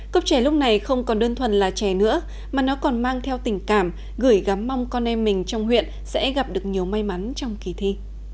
cốc chè lúc này không còn đơn thuần là chè nữa mà nó còn mang theo tình cảm gửi gắm mong con em mình trong huyện sẽ gặp được nhiều may mắn trong kỳ thi